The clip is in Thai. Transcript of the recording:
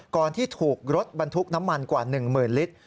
ก่อนที่ถูกรถบรรทุกน้ำมันกว่า๑หมื่นลิตร